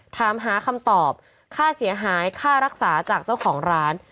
ถามหาคำตอบค่าเสียหายค่ารักษาจากเจ้าของร้าน